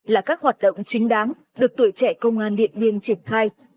là các hoạt động chính đáng được tuổi trẻ công an điện biên triển khai